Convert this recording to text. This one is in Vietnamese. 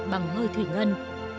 bằng hơi thủy ngân